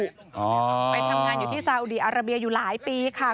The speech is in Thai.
ไปทำงานอยู่ที่ซาอุดีอาราเบียอยู่หลายปีค่ะ